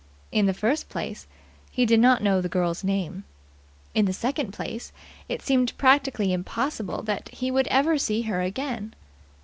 In the first place, he did not know the girl's name. In the second place, it seemed practically impossible that he would ever see her again.